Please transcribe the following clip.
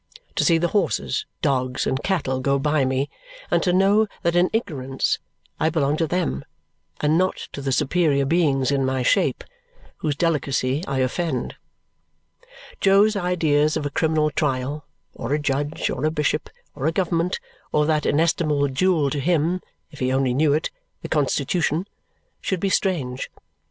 To see the horses, dogs, and cattle go by me and to know that in ignorance I belong to them and not to the superior beings in my shape, whose delicacy I offend! Jo's ideas of a criminal trial, or a judge, or a bishop, or a government, or that inestimable jewel to him (if he only knew it) the Constitution, should be strange!